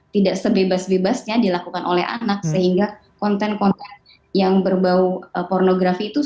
tidak sebebas bebasnya dilakukan oleh anak sehingga konten konten yang berbau pornografi itu